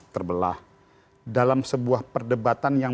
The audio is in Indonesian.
terbelah dalam sebuah perdebatan yang